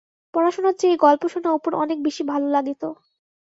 পড়াশুনার চেয়ে এই গল্প শোনা অপুর অনেক বেশি ভালো লাগিতা।